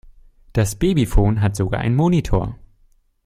Das Babyphone hat sogar einen Monitor.